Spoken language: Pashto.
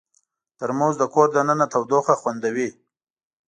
ترموز د کور دننه تودوخه خوندوي.